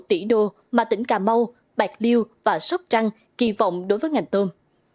tỷ đô mà tỉnh cà mau bạc liêu và sóc trăng kỳ vọng đối với ngành tôm